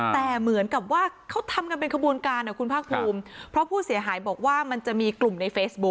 แต่เหมือนกับว่าเขาทำกันเป็นขบวนการอ่ะคุณภาคภูมิเพราะผู้เสียหายบอกว่ามันจะมีกลุ่มในเฟซบุ๊